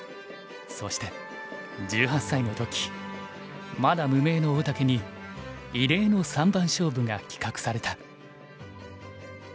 そして１８歳の時まだ無名の大竹に異例の三番勝負が企画された。